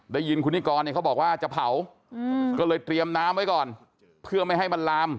ได้ยินคุณนิกรเนี่ยเขาบอกว่าจะเผาก็เลยเตรียมน้ำไว้ก่อนเพื่อไม่ให้มันลาม